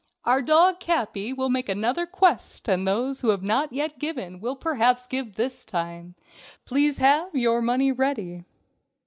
Our dog, Capi, will make another quest and those who have not yet given will perhaps give this time. Please have your money ready."